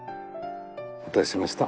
お待たせしました。